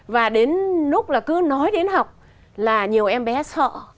và đến lúc là cứ nói đến học là nhiều em bé sợ